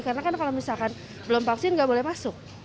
karena kalau misalkan belum vaksin tidak boleh masuk